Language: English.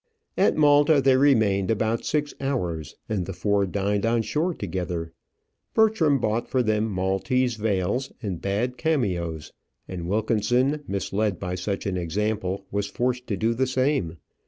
At Malta they remained about six hours, and the four dined on shore together. Bertram bought for them Maltese veils and bad cameos; and Wilkinson, misled by such an example, was forced to do the same.